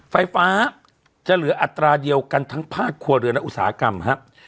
ไฟฟ้าจะเหลืออัตราเดียวกันทั้งภาคครัวเรือนและอุตสาหกรรมครับ